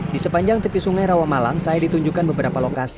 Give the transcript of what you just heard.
di sepanjang tepi sungai rawamalang saya ditunjukkan beberapa lokasi